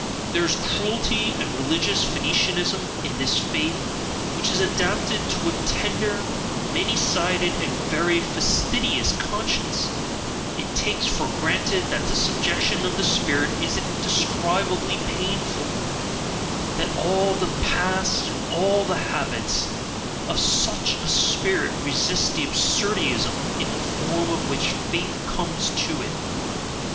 There is cruelty and religious Phoenicianism in this faith, which is adapted to a tender, many sided, and very fastidious conscience, it takes for granted that the subjection of the spirit is indescribably PAINFUL, that all the past and all the habits of such a spirit resist the absurdissimum, in the form of which "faith" comes to it.